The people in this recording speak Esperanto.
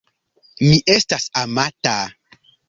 Mi estas amata.